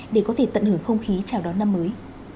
để có thể tận hưởng không khí chào đón năm mới